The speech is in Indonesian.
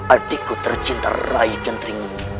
adikku tercinta rayi gentrini